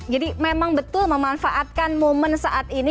jadi memang betul memanfaatkan momen saat ini